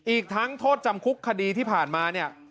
อีกทั้งโทษจำคุกคดีที่ผ่านมาเนี่ย